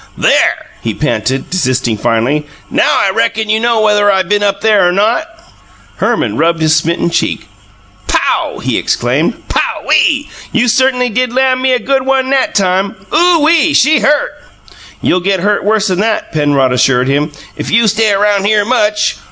"There!" he panted, desisting finally. "NOW I reckon you know whether I been up there or not!" Herman rubbed his smitten cheek. "Pow!" he exclaimed. "Pow ee! You cert'ny did lan' me good one NAT time! Oo ee! she HURT!" "You'll get hurt worse'n that," Penrod assured him, "if you stay around here much.